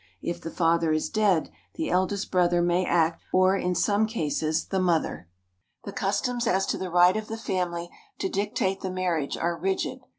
If the father is dead the eldest brother may act, or in some cases the mother. The customs as to the right of the family to dictate the marriage are rigid.